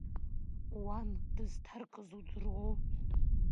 Уан дызхҭаркыз удыруоу?